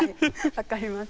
分かります。